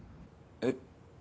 えっ？